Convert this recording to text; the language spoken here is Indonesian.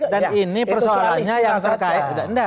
dan ini persoalannya yang terkait